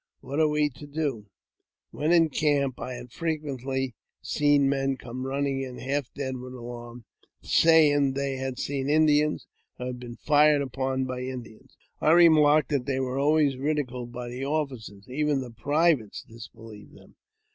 What are we to do ?" When in camp, I had frequently seen men come run ning in half dead with alarm, saying that they had seen Indians, or had been fired upon by Indians. I remarked that they were always ridiculed by the officers ; even the privates disbelieved them.